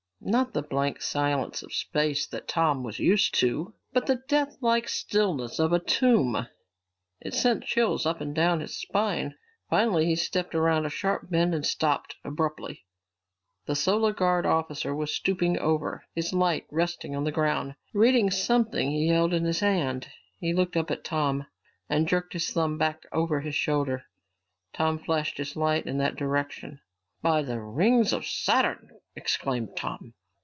Not the blank silence of space that Tom was used to, but the deathlike stillness of a tomb. It sent chills up and down his spine. Finally he stepped around a sharp bend and stopped abruptly. "Captain Strong!" The Solar Guard officer was stooping over, his light resting on the ground, reading something he held in his hand. He looked up at Tom and jerked his thumb back over his shoulder. Tom flashed his light in that direction. "By the rings of Saturn!" exclaimed Tom.